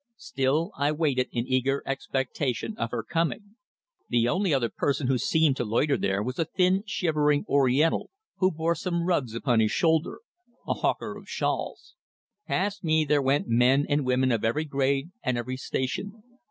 Still, I waited in eager expectation of her coming. The only other person who seemed to loiter there was a thin, shivering Oriental, who bore some rugs upon his shoulder a hawker of shawls. Past me there went men and women of every grade and every station.